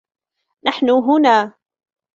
نحن هنا.